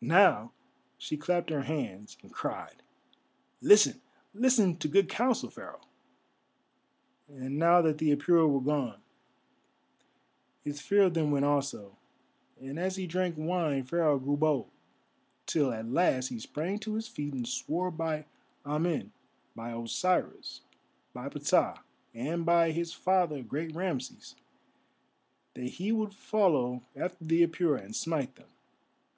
Now she clapped her hands and cried: "Listen, listen to good counsel, Pharaoh." And now that the Apura were gone, his fear of them went also, and as he drank wine Pharaoh grew bold, till at last he sprang to his feet and swore by Amen, by Osiris, by Ptah, and by his father—great Rameses—that he would follow after the Apura and smite them.